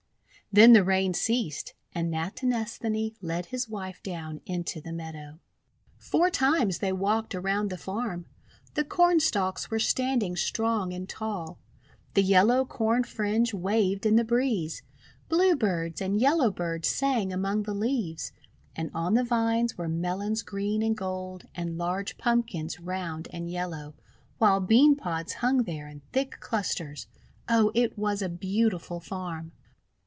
Then the Rain ceased, and Natinesthani led his wife down into the meadow. Four times they walked around the farm. The Cornstalks were standing strong and tall. The yellow corn fringe waved in the breeze. Bluebirds and Yellowbirds sang among the leaves. And on the vines were Melons green and gold, and large Pumpkins round and yellow, while Bean pods hung there in thick clusters. Oh, it was a beautiful farm!